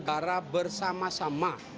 membangun negara bersama sama